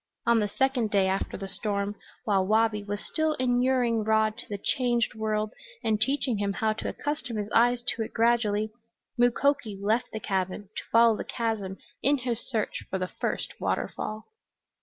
On the second day after the storm, while Wabi was still inuring Rod to the changed world and teaching him how to accustom his eyes to it gradually, Mukoki left the cabin to follow the chasm in his search for the first waterfall.